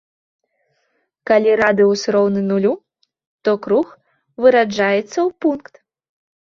Калі радыус роўны нулю, то круг выраджаецца ў пункт.